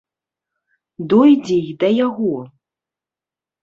Дойдзе й да яго!